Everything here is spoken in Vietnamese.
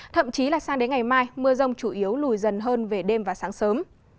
thậm chí là sang đến ngày mai mưa rông chủ yếu lùi dần hơn về đêm và sáng sớm